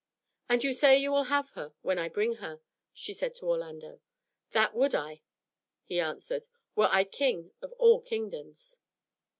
"And you say you will have her when I bring her?" she said to Orlando. "That would I," he answered, "were I king of all kingdoms."